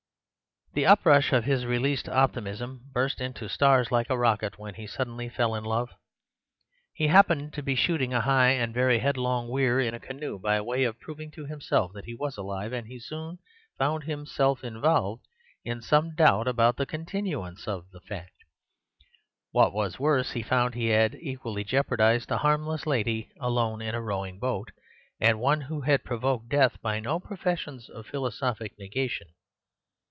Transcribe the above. "The uprush of his released optimism burst into stars like a rocket when he suddenly fell in love. He happened to be shooting a high and very headlong weir in a canoe, by way of proving to himself that he was alive; and he soon found himself involved in some doubt about the continuance of the fact. What was worse, he found he had equally jeopardized a harmless lady alone in a rowing boat, and one who had provoked death by no professions of philosophic negation.